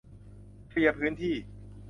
เคลียร์พื้นที่